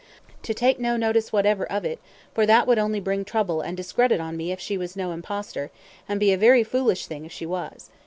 "To take no notice whatever of it; for that it would only bring trouble and discredit on me if she was no impostor, and be a very foolish thing if she was.